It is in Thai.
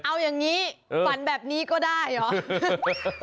เอาอย่างนี้ฝันแบบนี้ก็ได้เหรอ